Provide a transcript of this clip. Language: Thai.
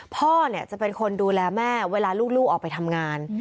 พ่อจะเป็นคนดูแลแม่เวลาลูกออกไปทำงาน